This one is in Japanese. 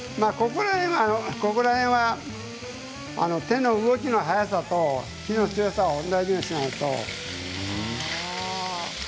ここら辺は手の動きの速さと火の強さを同じようにしないと。